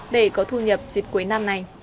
để có thu nhập dịp cuối năm này